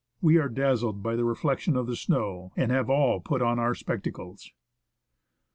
We are dazzled by the reflection of the snow, and have all put on our spectacles.